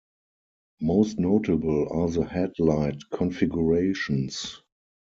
Most notable are the headlight configurations.